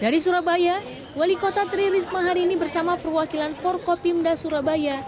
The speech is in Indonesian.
dari surabaya wali kota tri risma hari ini bersama perwakilan forkopimda surabaya